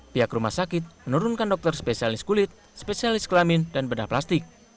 pihak rumah sakit menurunkan dokter spesialis kulit spesialis kelamin dan bedah plastik